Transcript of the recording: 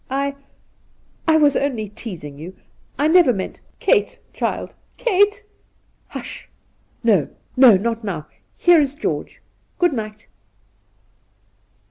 I — I was only teasing you. I never meant '' Kate, child, Kate !'' Hush ! No, no — not now. Here is George. Good night.'